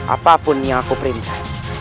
apapun yang aku perintah